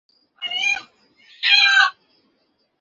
অন্যদিকে আমরা জানতাম তাদের হারাতে পারলেই বিশেষ কিছু পেতে যাচ্ছি আমরা।